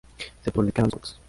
Se publicaron los vols.